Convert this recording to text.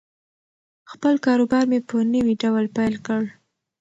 خپل کاروبار مې په نوي ډول پیل کړ.